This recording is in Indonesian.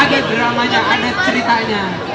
ada dramanya ada ceritanya